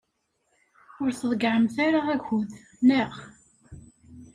Ur tḍeyyɛemt ara akud, naɣ?